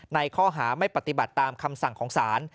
ในข้อหาไม่ปฏิบัติตามคำสั่งของศาล